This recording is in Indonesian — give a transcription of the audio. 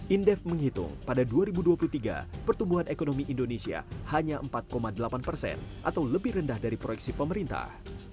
indef menghitung pada dua ribu dua puluh tiga pertumbuhan ekonomi indonesia hanya empat delapan persen atau lebih rendah dari proyeksi pemerintah